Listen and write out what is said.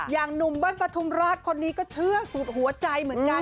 อย่างหนุ่มเบิ้ลปฐุมราชคนนี้ก็เชื่อสุดหัวใจเหมือนกัน